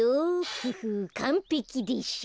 フフッかんぺきでしょ。